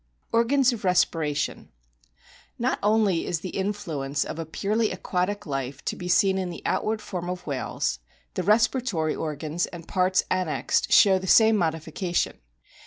54 'A BOOK OP WHALES ORGANS OF RESPIRATION Not only is the influence of a purely aquatic life to be seen in the outward form of whales, the respiratory organs and parts annexed show the same modification.